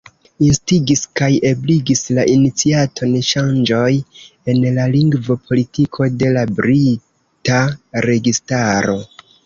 Instigis kaj ebligis la iniciaton ŝanĝoj en la lingvo-politiko de la brita registaro.